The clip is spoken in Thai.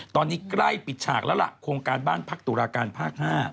ตอนนี้ใกล้ปิดฉากแล้วล่ะโครงการบ้านพักตุลาการภาค๕